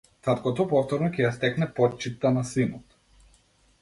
Таткото повторно ќе ја стекне почитта на синот.